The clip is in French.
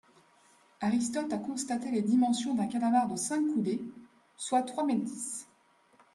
Aristote a constaté les dimensions d'un calmar de cinq coudées, soit trois mètres dix.